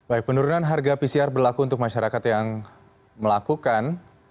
baik penurunan harga pcr berlaku untuk masyarakat yang melakukan